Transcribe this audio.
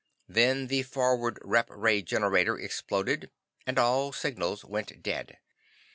Then the forward rep ray generator exploded, and all signals went dead.